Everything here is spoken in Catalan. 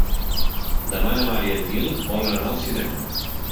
Demà na Mar i en Nil volen anar al cinema.